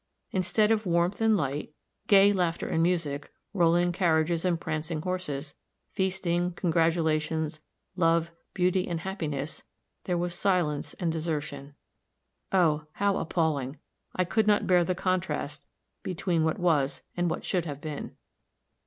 Instead of warmth and light, gay laughter and music, rolling carriages and prancing horses, feasting, congratulations, love, beauty and happiness, there was silence and desertion, oh, how appalling! I could not bear the contrast between what was and what should have been.